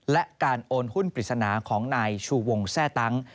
และการโอนหุ้นปริศนาของนายชูวงแทร่ตั้ง